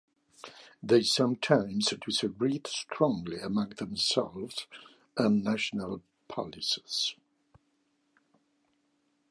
They sometimes disagreed strongly among themselves on national policies.